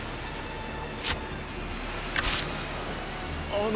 あの。